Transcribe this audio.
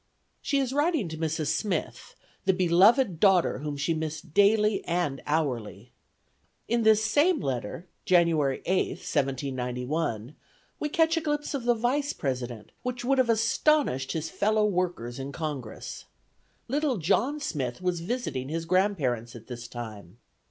She is writing to Mrs. Smith, the beloved daughter whom she missed daily and hourly. In this same letter (January 8th 1791) we catch a glimpse of the Vice President which would have astonished his fellow workers in Congress. Little John Smith was visiting his grandparents at this time.